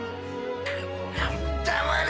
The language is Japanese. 黙れ！